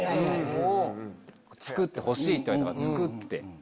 作ってほしいって言われたから作って。